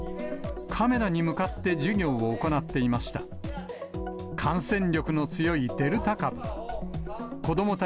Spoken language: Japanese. カメラに向かって授業を行っていました。